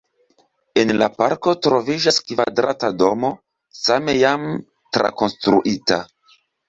En la parko troviĝas kvadrata domo, same jam trakonstruita.